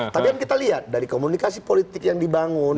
tapi kan kita lihat dari komunikasi politik yang dibangun